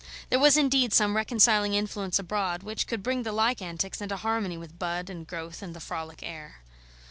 There was indeed some reconciling influence abroad, which could bring the like antics into harmony with bud and growth and the frolic air.